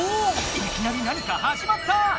いきなり何かはじまった！